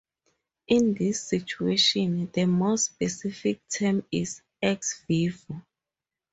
In this situation, the more specific term is "ex vivo".